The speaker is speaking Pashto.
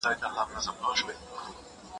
دا وي چې په خدای کې ورک و.